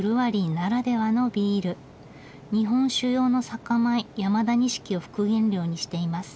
日本酒用の酒米山田錦を副原料にしています。